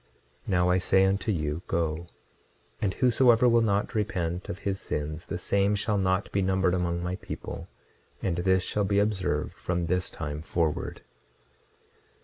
26:32 Now I say unto you, Go; and whosoever will not repent of his sins the same shall not be numbered among my people; and this shall be observed from this time forward.